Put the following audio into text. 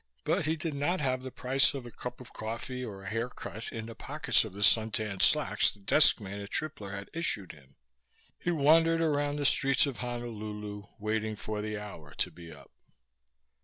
But he did not have the price of a cup of coffee or a haircut in the pockets of the suntan slacks the desk man at Tripler had issued him. He wandered around the streets of Honolulu, waiting for the hour to be up.